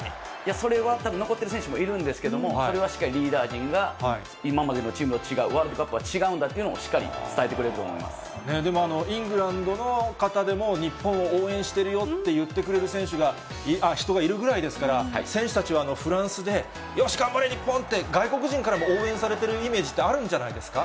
それはたぶん残っている選手もいるんですけども、それはしっかりリーダー陣が、今までのチームとは違う、ワールドカップは違うんだというのをしっかり伝えてくれると思いでもイングランドの方でも、日本を応援しているよって言ってくれる人がいるぐらいですから、選手たちはフランスで、よし、頑張れ、日本って、外国人からも応援されているイメージってあるんじゃないですか。